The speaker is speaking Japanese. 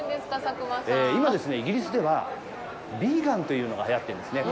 今、イギリスでは、ビーガンというのがはやっているんですね。